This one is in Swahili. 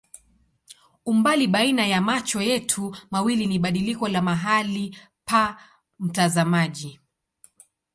Umbali baina ya macho yetu mawili ni badiliko la mahali pa mtazamaji.